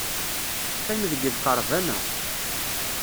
Qqim deg lqerban-a.